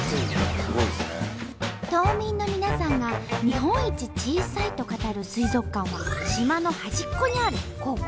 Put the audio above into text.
島民の皆さんが日本一小さいと語る水族館は島の端っこにあるここ。